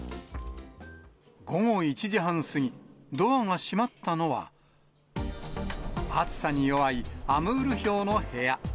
午後１時半過ぎ、ドアが閉まったのは、暑さに弱いアムールヒョウの部屋。